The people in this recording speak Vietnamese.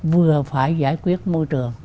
vừa phải giải quyết môi trường